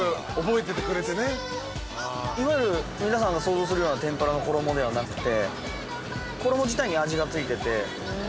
いわゆる皆さんが想像するような天ぷらの衣ではなくて。